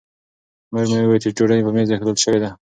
مور مې وویل چې ډوډۍ په مېز ایښودل شوې ده.